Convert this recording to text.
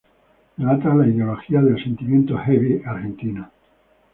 Relata la ideología del "sentimiento heavy" argentino.